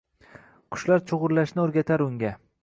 qushlar chugʼurlashni oʼrgatar unga